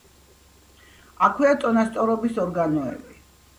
აქვეა წონასწორობის ორგანოები.